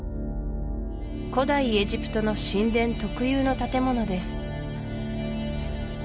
古代エジプトの神殿特有の建物です